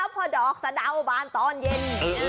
พอดอกสะดาวบานตอนเย็น